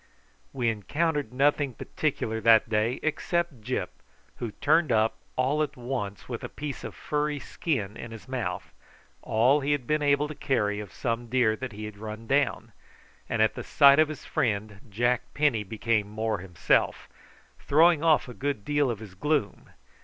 We encountered nothing particular that day except Gyp, who turned up all at once with a piece of furry skin in his mouth, all he had been able to carry of some deer that he had run down; and at the sight of his friend Jack Penny became more himself, throwing off a good deal of his gloom.